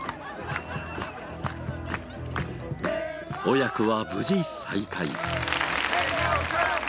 親子は無事再会。